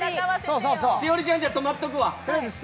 栞里ちゃん、止まっておくわ。